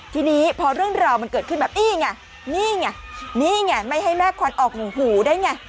ทีนี้พอเรื่องราวมันเกิดขึ้นแบบนี้ไงนี่ไงนี่ไงไม่ให้แม่ควันออกหูได้ไง